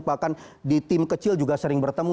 bahkan di tim kecil juga sering bertemu